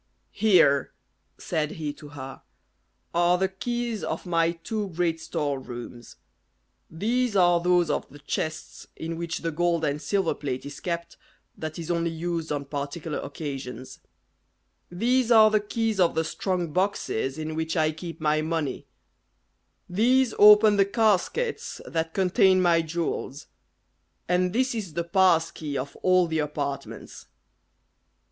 "Here," said he to her, "are the keys of my two great store rooms; these are those of the chests in which the gold and silver plate is kept, that is only used on particular occasions; these are the keys of the strong boxes in which I keep my money; these open the caskets that contain my jewels; and this is the pass key of all the apartments.